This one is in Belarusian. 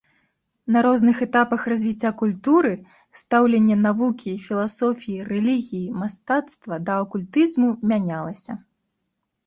На розных этапах развіцця культуры стаўленне навукі, філасофіі, рэлігіі, мастацтва да акультызму мянялася.